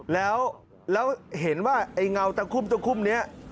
แล้วเห็นว่าไอ้เงาตะคุ่มตะคุ่มนี้